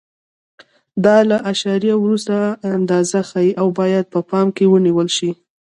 دا له اعشاریه وروسته اندازه ښیي او باید په پام کې ونیول شي.